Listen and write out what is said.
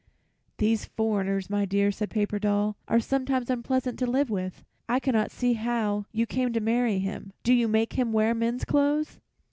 "These foreigners, my dear," said Paper Doll, "are sometimes unpleasant to live with. I cannot see how you came to marry him. Do make him wear men's clothes."